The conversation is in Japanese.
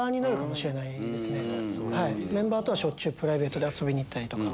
メンバーとはしょっちゅうプライベートで遊びに行ったり。